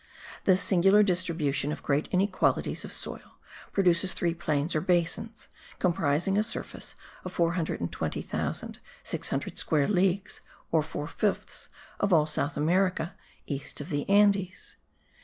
This singular distribution of great inequalities of soil produces three plains or basins, comprising a surface of 420,600 square leagues, or four fifths of all South America, east of the Andes.